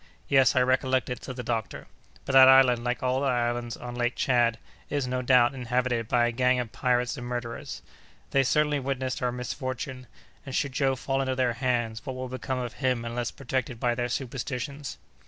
"Yes, I recollect it," said the doctor, "but that island, like all the islands on Lake Tchad, is, no doubt, inhabited by a gang of pirates and murderers. They certainly witnessed our misfortune, and should Joe fall into their hands, what will become of him unless protected by their superstitions?"